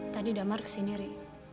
tadi damar kesini ri